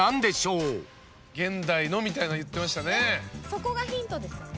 そこがヒントですよね。